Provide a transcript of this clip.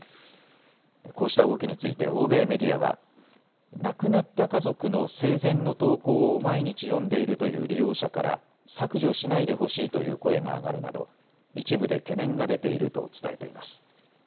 こうした動きについて欧米メディアは亡くなった家族の生前の投稿を毎日読んでいるという利用者から削除しないでほしいという声が上がるなど一部で懸念が出ていると伝えています。